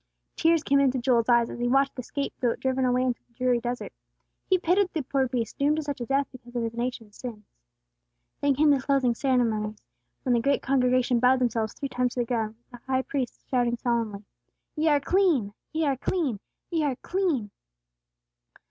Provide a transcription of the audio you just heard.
Tears came into Joel's eyes, as he watched the scape goat driven away into the dreary desert. He pitied the poor beast doomed to such a death because of his nation's sins. Then came the closing ceremonies, when the great congregation bowed themselves three times to the ground, with the High Priest shouting solemnly, "Ye are clean! Ye are clean! Ye are clean!"